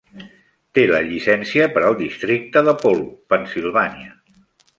Té la llicència per al districte d'Apollo, Pennsilvània.